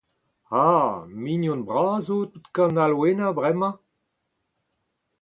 A, mignon bras out gant Alwena bremañ ?